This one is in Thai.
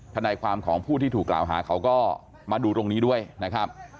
ทนายความของผู้ที่ถูกกล่าวหาเขาก็มาดูตรงนี้ด้วยนะครับ